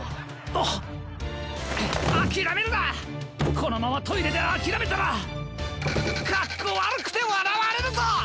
このままトイレであきらめたらかっこわるくてわらわれるぞ！